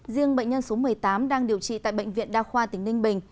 riêng bệnh nhân số một mươi tám đang điều trị tại bệnh viện đa khoa tỉnh ninh bình